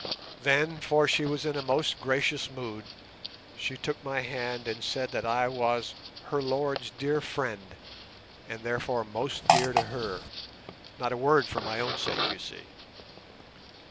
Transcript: Then, for she was in a most gracious mood, she took my hand and said that I was "her Lord's" dear friend, and therefore most dear to her—not a word for my own sake, you see.